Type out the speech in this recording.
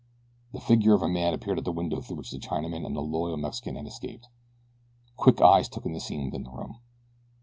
The figure of a man appeared at the window through which the Chinaman and the loyal Mexican had escaped. Quick eyes took in the scene within the room.